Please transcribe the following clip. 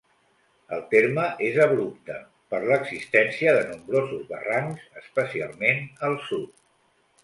El terme és abrupte, per l'existència de nombrosos barrancs, especialment al sud.